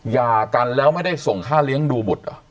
ยากันแล้วไม่ได้ส่งค่าเลี้ยงดูบุตรเหรอ